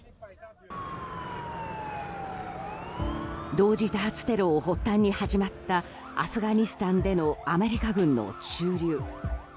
同時多発テロを発端に始まったアフガニスタンでのアメリカ軍の駐留。